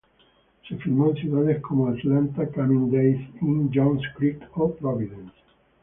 Se filmó en ciudades como Atlanta, Cumming, Days Inn, Johns Creek o Providence.